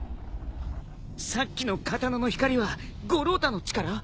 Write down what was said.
さっきの刀の光は五郎太の力？